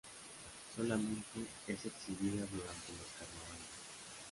Solamente es exhibida durante los carnavales.